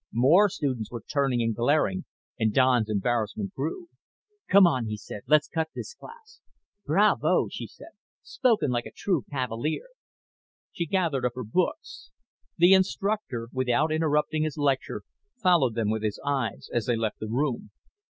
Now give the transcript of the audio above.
More students were turning and glaring and Don's embarrassment grew. "Come on," he said. "Let's cut this class." "Bravo!" she said. "Spoken like a true Cavalier." She gathered up her books. The instructor, without interrupting his lecture, followed them with his eyes as they left the room.